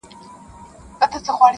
• ساقي واخله ټول جامونه پرې خړوب که,